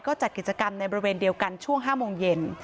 ก็จัดกิจกรรมในบริเวณเดียวกันช่วง๕โมงเย็น